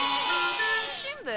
しんべヱ？